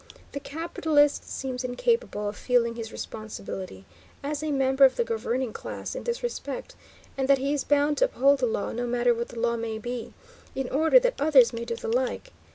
The capitalist seems incapable of feeling his responsibility, as a member of the governing class, in this respect, and that he is bound to uphold the law, no matter what the law may be, in order that others may do the like.